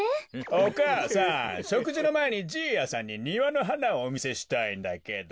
お母さんしょくじのまえにじいやさんににわのはなをおみせしたいんだけど。